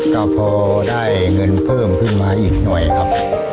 ก็พอได้เงินเพิ่มขึ้นมาอีกหน่อยครับ